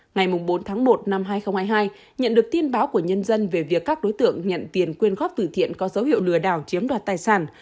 ngày bốn tháng một năm hai nghìn hai mươi hai nhận được tin báo của nhân dân về việc các đối tượng nhận tiền quyên góp tử thiện có dấu hiệu lừa đảo chiếm đoạt tài sản